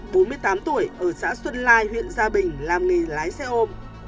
nạn nhân là ông nguyễn văn chất ba mươi tám tuổi ở xã xuân lai huyện gia bình làm nghề lái xe ôm